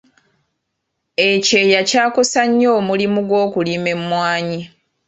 Ekyeya kyakosa nnyo omulimu gw’okulima emmwanyi.